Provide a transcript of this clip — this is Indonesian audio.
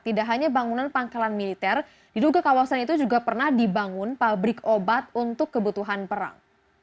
tidak hanya bangunan pangkalan militer diduga kawasan itu juga pernah dibangun pabrik obat untuk kebutuhan perang